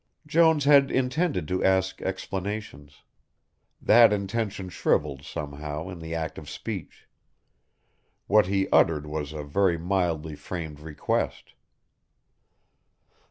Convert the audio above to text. Jones had intended to ask explanations. That intention shrivelled, somehow, in the act of speech. What he uttered was a very mildly framed request.